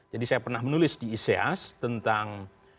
jadi saya pernah menulis di iseas tentang